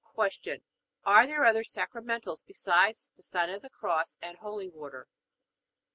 Q. Are there other sacramentals besides the sign of the Cross and holy water?